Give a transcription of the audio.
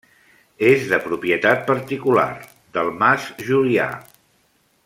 És de propietat particular, del Mas Julià.